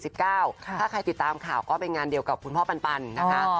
ถ้าใครติดตามข่าวก็เป็นงานเดียวกับคุณพ่อปันนะคะ